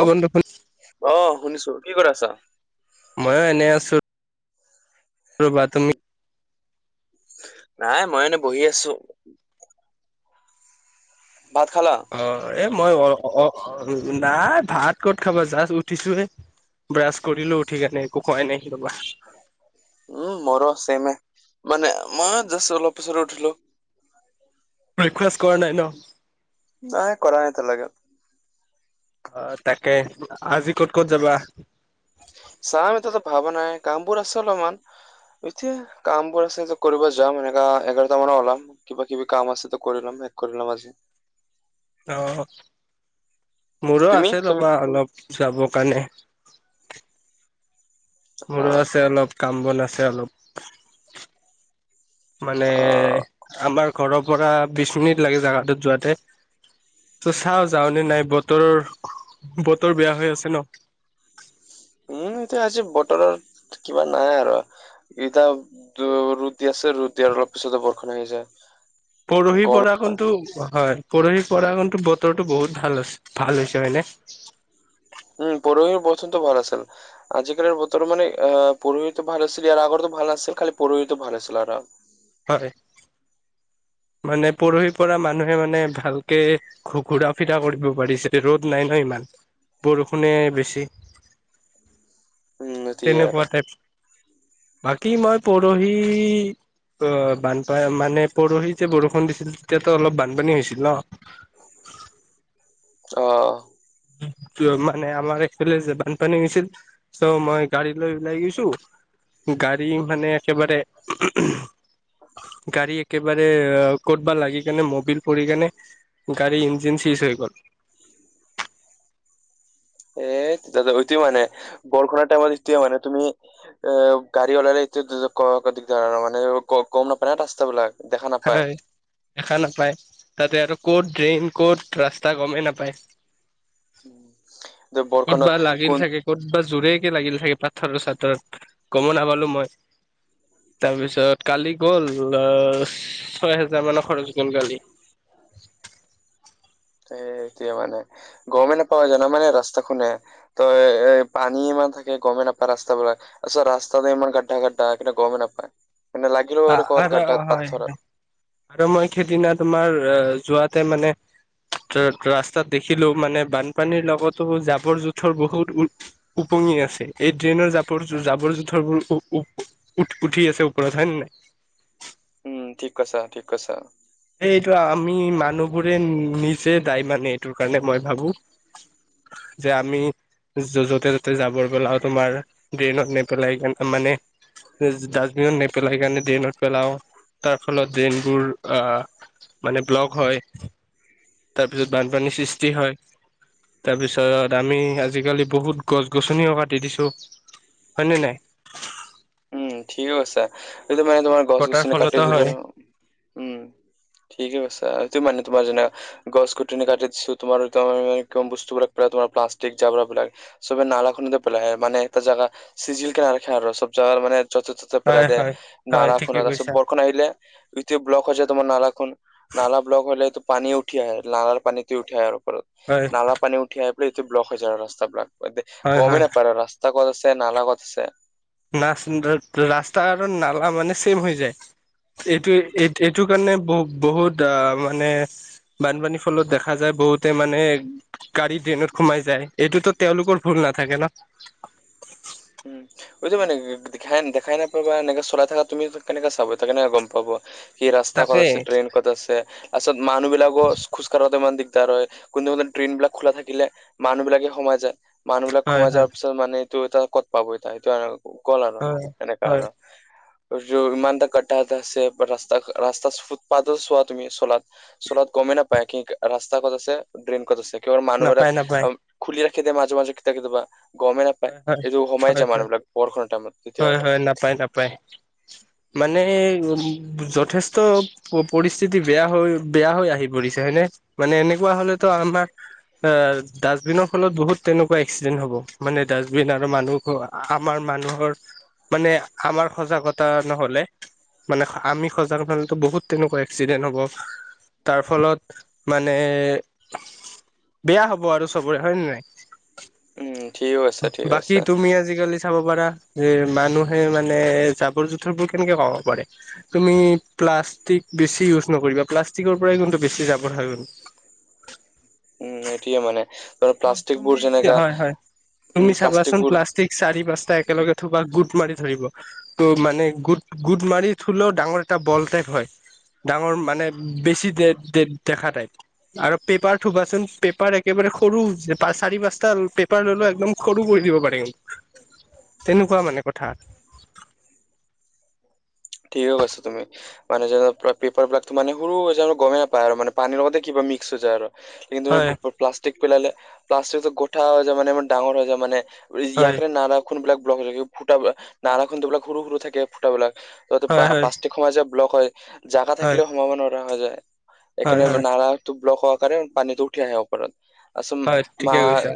অ', বন্ধু শুন শুনিছোঁ কি কৰি আছা? এ এনে আছোঁ [unintelligible] নাই, মই এনে বহি আছোঁ। ভাত খালা? অ' এ মই অ', অ', অ'। উম নাই ভাত ক'ত খাবা জাষ্ট উঠিছোহে। ব্ৰাছ কৰিলোঁ উঠি কিনে, একো খাৱাই নাই কি কবা - উমঁ মোৰো চেইমে মানে মই জাষ্ট অলপ পিছত উঠিলোঁ' - ব্ৰেকফাষ্ট কৰা নাই ন? নাই কৰা এতিয়া লৈকে- অঁ তাকে, অ' আজি ক'ত ক'ত যাবা', - চাম এতিয়াতো ভাৱা নাই, কামবোৰ আছে অলপমান - এতিয়া কামবোৰ আছে কৰিব যাম। এনেকা এঘাৰটা মানত ওলাম। কিবা কিবি কাম আছে ত কৰিলম। শেক কৰিলম আজি। অঁ মোৰো তুমি আছে তুমি ৰ'বা অলপ যাব কাৰণে। অ মোৰো আছে অলপ কাম বন আছে অলপ। মানে অ আমাৰ ঘৰৰ পৰা বিশ মিনিট লাগে জেগাটোত যোৱাতে। ত চাও যাওনে নাই? বতৰ বতৰ বেয়া হৈ আছে ন? উমঁ এতিয়া আজি বতৰৰ কিবা নাই আৰু। এতিয়া ৰুদ দি আছে ৰুদ দিয়াৰ অলপ পিছতে বৰষুণ আহি যায়। পৰহি গম পৰা কোনটো হয়ঁ? পৰহি পৰা কিন্তু বতৰটো বহুত ভাল ভাল হৈছে হয়নে? উমঁ পৰহি প্ৰথমন্ত ভাল আছিল। আজিকালিৰ বতৰ মানে পঢ়হিতো ভাল আছিল ইয়াৰ আগতো ভাল নাছিল। খালি পঢ়হিতো ভাল আছিল আৰু। হয়ঁ। মানে পৰহি পৰা মানুহে মানে ভালকে- ঘ ঘূৰা ফিৰা কৰিব পাৰিছে ৰ'দ নাই ন ইমান। বৰষুণে বেছি উম, সেইটোৱে আৰু তেনেকুৱা টাইপ। বাকী মই পৰহি অঁ বানপায় মানে পৰহিত- যেতিয়া বৰষুণ দিছিল তেতিয়াতো অলপ বানপানী হৈছিল ন? অঁ! কিয় মানে আমাৰ এফালে যে বানপানী হৈছিল। চৌ মই গাড়ী লৈ ওলাই গৈছোঁ। গাড়ী মানে একেবাৰে- গাড়ী একেবাৰে ক'তবা লাগি কেনে মবিল পৰি কেনে- গাড়ী ইঞ্জিন চিজ হৈ গ'ল। এ তেতিয়া ত য়েটে মানে বৰষুণৰ টাইমত এতিয়া মানে তুমি। এ গাড়ী অলাৰে এতিয়া দিকদাৰ ৰ মানে গম নাপায় ন ৰাস্তা বিলাক। থাকা হয়ঁ দেখা নাপায় তাতে আৰু ক'ত ড্ৰেইন ক'ত ৰাস্তা গমেই নাপায়। যে বৰষুণত ক'তবা লাগিল কোন চাগে? ক'ত বা জোৰেকে লাগিল চাগে পাথৰ চাটৰত। গম নাপালো মই। তাৰপিছত কালি গ'ল আহ ছয় হেজা মানৰ খৰচ গ'ল কালি। সে এতিয়া মানে গমে নাপাওঁ জান মানে ৰাস্তা খুনে। ত এ পানী ইমান থাকে গমে নাপায ৰাস্তাবোৰক। আছ ৰাস্তাটো ইমান গাদ্দা গাদ্দা কিন্তু গমেই নাপায়। মানে লাগিলও আ আৰু ক'ৰবাত গাদ্দাত হয় পাথৰত। হয় আৰু মই সেদিনা তোমাৰ অঁ যোৱাতে মানে। ত ৰাস্তাত দেখিলোমানে বানপানীৰ লগতো জাবৰ জোথৰ বহুত ওট- উপঙি আছে। এই ট্ৰেইনৰ জাপৰ জাবৰ জোথৰবোৰ উপ উ উ- উঠ উঠি আছে ওপৰত হয় নে নাই? উমঁ ঠিক কৈছা ঠিক কৈছা। এই এইটো আমি মানুহবোৰে নিজে দায় মানে এইটোৰ কাৰণে মই ভাবোঁ। যে আমি, য'তে ত'তে যাবৰ পেলাও তোমাৰ ড্ৰেইনত নেপেলাই মানে। ডাষ্টবিনত নেপেলাই কাৰণে ড্ৰেইনত পেলাও। তাৰ ফলত ড্ৰেইনবোৰ আহ মানে ব্লক হয়। তাৰপিছত বানপানী সৃষ্টি হয়। তাৰপিছত আমি আজিকালি বহুত গছ গছনিও কাটি দিছোঁ। হয় নে নাই? উম ঠিকে কৈছা। এইটো গছ মানে গছনি তোমাৰ গছ কটাৰ গছনি ফলতো কাটি দিলে হয়, অ উম। ঠিকে কৰিছা। এইটো মানে তোমাৰ জানা? গছ কুটনি কাটি দিছো। তোমাৰ বস্তুবিলাক প্ৰায় তোমাৰ প্লাষ্টিক জাবৰা বিলাক। চবে নালা খুনিটো পেলাই। মানে এটা জেগা চিজিল কে ৰাখে আৰু চব। জাৰ মানে য'তে ত'তে হয় পেলায় দিয়ে। হয় হয় নালা ঠিকে খুন্দা তাৰপিছত কৈছা। বৰষুণ আহিলে, গোটেই ব্লক হৈ যায় তোমাৰ নালাখন, নালা ব্লক হ'লেটো পানী উঠি আহে নালাৰ পানীটো উঠি আহে আৰু ওপৰত। হয় নালা পানী উঠি আহি পেলাই এইটো ব্লক হৈ যায় ৰাস্তাবিলাক, হয় হয় গমেই নাপায় ৰাস্তা, ৰাস্তা কত আছে, নালা কত আছে, নাচ ৰাস্তাৰ আৰু নালা মানে চেম হৈ যায়। এইটোৱে এইটো কাৰণে বহু বহুত আ মানে, বানপানীৰ ফলত দেখা যায় বহুতে মানে, গাড়ী ড্ৰেইনত সোমাই যায় এইটোতো তেওঁলোকৰ ভুল নাথাকে ন, উম এইটো মানে দেখাই দেখাই নাপাবা এনেকে চলাই থাকা তুমি কেনেকে চাব ত কেনেকে গম পাব, সেই ৰাস্তা কত তাকে আছে, ড্ৰেন কত আছে, আচল মানুহ বিলাকৰ খোজ কাৰোতে ইমান দিগ, দাৰ হয় কোনো কোনো দ্ৰেনবিলাক খোলা থাকিলে মানুহ বিলাকে সোমাই যায়, মানুহ বিলাক হয় সোমাই হয় যোৱাৰ পিছত, মানে এইটো তটা ক'ত পাব এ সেতু এটা গল আৰু হয় এনেকা হয় আৰু। ইমানতা গাদ্ধাহ এটা আছে ৰাস্তা ৰাস্তা ফুটপাথটো চোৱা তুমি ছলত, চলাত গমেই নাপায় কি ৰাস্তা কত আছে ড্ৰেইন ক'ত আছে, কেৱল মানুহ বিলাক নাপায় নাপায় খুলি ৰাখি দিয়ে মাজে মাজে কেতিয়াবা কেতিয়াবা। হয় হয়। হোমাই হয় যায় হয় মানুহবিলাক বৰষুণৰ টাইমত তেতিয়া হয় আৰু। হয় নাপায় নাপায় মানে উম যথেষ্ট, প পৰিস্থিতি বেয়া হৈ বেয়া হৈ আহি পৰিছে হয়নে, মানে এনেকুৱা হলেতো আমাৰ অ ডাষ্টবিনৰ ফলত বহুত তেনেকুৱা এক্সিডেণ্ট হ'ব। মানে ডাষ্টবিন আৰু মানুহ আমাৰ মানুহৰ, মানে আমাৰ সজাগতা নহলে, মানে আমি সজাগ নহ'লে বহুত তেনেকুৱা এক্সিডেণ্ট হ'ব। তাৰ ফলত মানে বেয়া হব আৰু চবৰে হয়ে নে নাই? উম ঠিকে কৈছা। বাকী তুমি আজিকালি, চাব পাৰা যে মানুহে মানে জাবৰ জোথৰবোৰ কেনেকে কমাব পাৰে? তুমি প্লাষ্টিক বেছি ইউজ নকৰিবা, প্লাষ্টিকৰ পৰাই কিন্তু বেছি জাবৰ হয় কিন্তু। উম এতিয়া মানে, ধৰ প্লাষ্টিক তুমি বোৰ যেনেকা হয় হয় উম তুমি প্লাষ্টিক চাবাচোন বোৰ প্লাচ, টিক চাৰি পাঁচটা একেলগে থবা গোট মাৰি ধৰিব। ত মানে গোট গোট মাৰি থুলেও ডাঙৰ এটা বল টাইপ হয়। ডাঙৰ মানে বেছি দে দে, দেখা টাইপ আৰু পেপাৰ থবাচোন পেপাৰ একেবাৰে সৰু হৈছে, চাৰি পাঁচটা পেপাৰ লৈ লৈ একদম সৰু কৰি দিব পাৰিম। তেনেকুৱা মানে কথা। ঠিকে কৈছা তুমি। মানে যেনে পেপাৰ বিলাক টো মানে সৰু হৈ গৈছে গ'মেই নাপায় আৰু মানে পানীৰ লগতে কিবা মিক্স হৈ যায় আৰু কিন্তু হয় প্লাষ্টিক পেলালে প্লাষ্টিকটো গোঠা হৈ যায় মানে ডাঙৰ হৈ যায় মানে। হয় ইয়াকে নালাখন বিলাক ব্লক থাকে ফুটা নালাখনবিলাক সৰু সৰু থাকে ফুটাবিলাক। ত' হয় হয় প্লা-প্লাষ্টিক সোমাই যাই ব্লক হয়, জাগা হয় থাকিলেও সোমাব নোৱাৰা হৈ যায় হয় এইকাৰনে হয় নালা টো ব্লক হোৱাৰ কাৰণে পানীটো উঠি আহে ওপৰত, আচ হয় মা ঠিকে কৈছা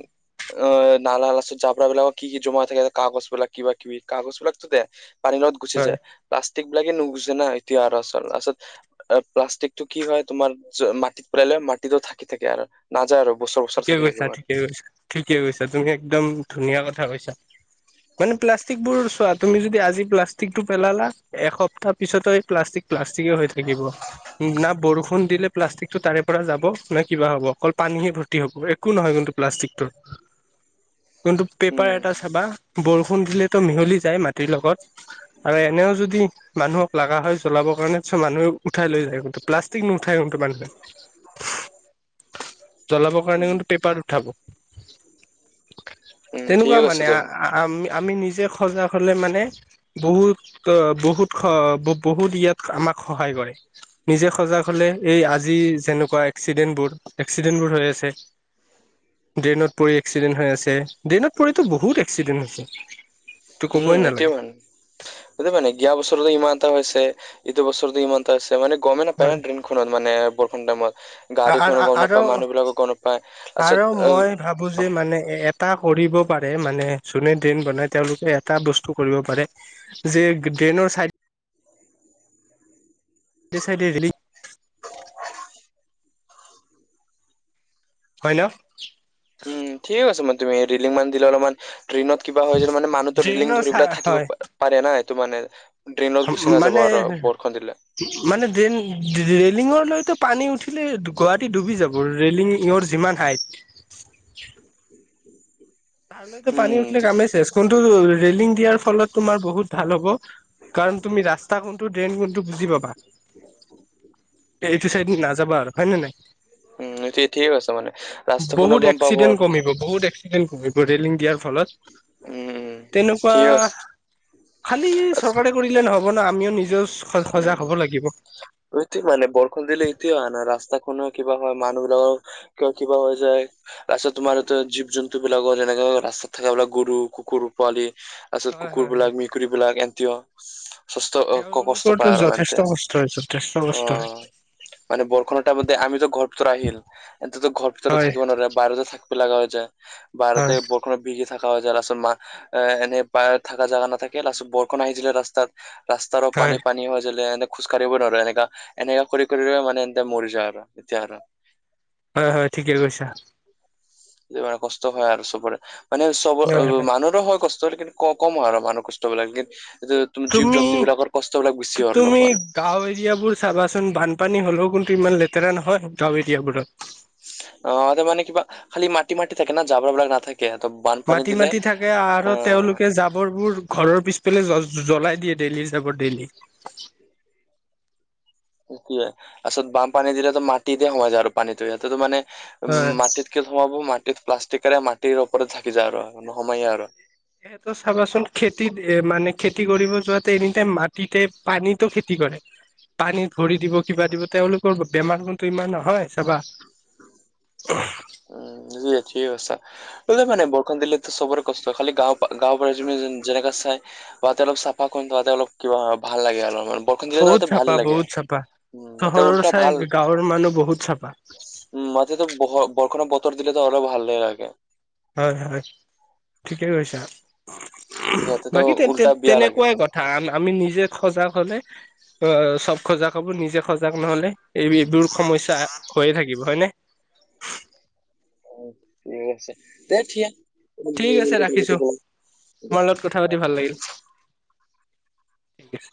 অ', নালাাৰ লাষ্টতত জাব্ৰা বিলাক কি কি জমা হৈ থাকে কাগজবিলাক কিবা কিবি কাগজবিলাকটো দে। পানীৰ লগত গুচি হয় যায়, প্লাষ্টিক বিলাকে নুগুছে না এতিয়া আৰু লাস্তত প্লাষ্টিকটো কি হয় তোমাৰ মাটিত পালে মাটিতো ঢাকি থাকে আৰু। নাযায় আৰু বছৰ বছৰ ঠিকে ঢাকি কৈছা থাকিব আৰু। ঠিকে কৈছা ঠিকে কৈছা তুমি একদম ধুনীয়া কথা কৈছা। মানে প্লাষ্টিক বোৰ চোৱা, তুমি যদি আজি প্লাষ্টিকটো পেলালা এসপ্তাহ পিছতো এই প্লাষ্টিক প্লাষ্টিকে হৈ থাকিব। না বৰষুণ দিলে প্লাষ্টিক টো তাৰে পৰা যাব, না কিবা হ'ব অকল পানীহে ভৰ্তি হ'ব একো নহয় কিন্তু প্লাষ্টিকটোৰ। কিন্তু পেপাৰ উম এটা চাবা বৰষুণ দিলেতো মিহলি যায় মাটিৰ লগত। আৰু এনেও যদি মানুহক লগা হয় জ্বলাবৰ কাৰণে মানুহে উঠাই লৈ যায় কিন্তু প্লাষ্টিক নুঠায় কিন্তু মানুহে। জ্বলাবৰ কাৰণে উম কিন্তু পেপাৰত উঠাব, উম ঠিক তেনেকুৱা আছে মানে। তুমি আমি-আমি নিজে সজাগ হ'লে মানে বহুত-বহুত-বহুত ইয়াত আমাক সহায় কৰে। নিজে সজাগ হ'লে এই আজি যেনেকুৱা এক্সিডেন্টবোৰ-এক্সিডেন্টবোৰ হৈ আছে। ড্ৰেইনত পৰি এক্সিডেণ্ট হৈ আছে, ড্ৰেইনত পৰিতো বহুত এক্সিডেণ্ট হৈছে। ত' উম, ক'বই এটোয় নালাগে মানে সটো মানে গিয় বছৰতো ইমান এটা হৈছে ইটো বছৰতো ইমান তা আছে, মানে গ'মে পায়া হয় ন' ড্ৰেইনখনত মানে বৰষূণ টাইমত। গাড়ীখনো গ'ম আৰু নাপায় মানুহবিলাকো গ'ম নাপায়, তাৰপিছত আৰু মই ভাবো যে আহ মানে এটা কৰিব পাৰে, মানে যোনে ড্ৰেন বনাই তেওঁলোকে এটা বস্তু কৰিব পাৰে। যে ড্ৰেনৰ চাইড দে চাইডে ৰেলিং হয় ন'? উম, ঠিকে কৈছা মানে তুমি ৰিলিং মান দিল অলপ মান ড্ৰেইনত কিবা হয় যে মানে মানুহতো ৰিলিং ড্ৰেইনৰ ধৰি চা পেলাই হয় থাকিব পাৰে না এইটো মানে। ড্ৰেইনত গুচি নাযাব মানে আৰু বৰষূণ দিলে। মানে ড্ৰেইন ৰেলিংৰ লৈতো পানী উঠিলে গুৱাহাটী ডুবি যাব ৰেলিংৰ যিমান হাইট। তৰলৈতো পানী উম উঠিলে ঠি- কামেই চেছ, কোনটো ৰেলিং দিয়াৰ ফলত তোমাৰ বহুত ভাল হ'ব। কাৰণ তুমি ৰাস্তা কোনটো, ড্ৰেইন কোনটো বুজি পাবা। এইটো চাইড নাযাবা আৰু হয়ে নে নাই? উম, ঠিকে ঠিকে কৈছা মানে ৰাস্তা খনো বহুত গ'ম পাব। এক্সিডেন্ট কমিব বহুত এক [unintelligible] ৰেলিং দিয়াৰ ফলত। উম উম তেনেকুৱা ঠিক আছে খালী ৰাচ- চৰকাৰে কৰিলে নহ হ ন আমিও নিজেও সজ সজাগ হ'ব লাগিব। সেইটো মানে বৰষূণ দিলে এইটো হয় ন ৰাস্তাখনৰ কিবা হয় মানুহবিলাকৰ কিবা - কিবা হৈ যায়। ৰাস্তাত তোমাৰ [unintelligible] জীৱ - জন্তুবিলাকৰ যেনেকে ৰাস্তাত থাকে বোলে গৰু, কুকুৰ পোৱালি তাৰ পিছত হয় হয় কুকুৰবিলাক, হয় মেকুৰীবিলাক [unintelligible] তেওঁলোকৰটো যথেষ্ট কষ্ট হয়, যথেষ্ট কষ্ট হয়। অ' মানে বৰষণটা [unintelligible] আমিতো ঘৰ ভিতৰত আহিল এন্ততো ঘৰ ভিতৰত হয় থাকিব ধৰা বাহিৰতে থাকিব লাগা হৈ যায়, বাহিৰতে হয় বৰষুণত ভিগি থাকা হৈ যায় তাৰপিছত মা আহ, এনে পায় থাকা জাগা নাথাকে তাৰপিছত বৰষূণ আহি দিলে ৰাস্তাত ৰাস্তাৰো হয় পানী - পানী হৈ জলে এনে খোজ কাঢ়িব নোৱাৰো এনেকা-এনেকা কৰি কৰি মানে এন্তে মৰি যায় আৰু এতিয়া আৰু। হয় - হয় ঠিকে কৈছা। [unintelligible] কষ্ট হয় আৰু চবৰে মানে চব অ হয় হয় মানুহৰে হয় কষ [unintelligible] ক কম আৰু মানুহ কষ্টবিলাক কিন্তু তুমি জীৱ জন্তুবিলাকৰ কষ্টবিলাক বেছি তুমি অলপমান। গাঁও এৰিয়াবোৰ চাবাচোন বানপানী হ'লেও কিন্তু ইমান লেতেৰা নহয় গাঁও এৰিয়াবোৰত। অ [unintelligible] মানে কিবা খালি মাটি - মাটি থাকে না জাবৰাবিলাক নাথা কে ত বান মাটি - মাটি থাকে আৰু তেওঁলোকে জাবৰবোৰ ঘৰৰ পিছ পেলে জ্ব - জ্বলাই দিয়ে ডেইলি যাবৰ ডেইলি। দিয়ে তাৰপিছত বামপানী দিলেতো মাটিতে সোমাই যায় আৰু পানীটো সিহতেতো মানে উম হয় মাটিত [unintelligible] সোমাব মাটিত প্লাষ্টিকেৰে মাটিৰ ওপৰত থাকি যায় আৰু নোসোমায় আৰু। সেইটো চাবাচোন, খেতিত এ মানে খেতি কৰিব যোৱাতে এনিটাইম মাটিতে, পানীতো খেতি কৰে। পানীত ভৰি দিব কিবা দিব, তেওঁলোকৰ বেমাৰ গুণটো ইমান নহয় চাবা। অহ। উম [unintelligible] ঠিকে কৈছা। সেইটোৱেই মানে বৰষুণ দিলেতো চবৰে কষ্ট, খালি গাঁও পা গাঁও পৰা যোনে যেন যেনেকে চাই তাতে অলপ চাফাকৈ, তাতে অলপ কিবা ভাল লাগে আৰু আমাৰ। বৰষুণ দিলে ত বহুত তাতে চাপা ভালেই লাগে। বহুত চাপা উম ইয়াতে চহৰৰ উল্টা চাই ভাল গাঁৱৰ মানুহ বহুত চাপা উম, মাটিটো বহ বৰষুণৰ বতৰ দিলে ত আৰু ভালে লাগে। হয় হয়, ঠিকে কৈছা, ইয়াতেতো বাকী তেন উল্টা তেন বিয়া লাগে। তেনেকুৱাই কত থা আম আমি নিজে সজাগ হলে, অ চব সজাগ হব, নিজে সজাগ নহলে এই এইবোৰ সমস্যা হৈয়ে থাকিব হয়নে? অ ঠিক আছে ঠিক আছে ৰাখিছো তোমাৰ [unintelligible] লগত কথা পাতি ভাল লাগিল। ঠিক আছে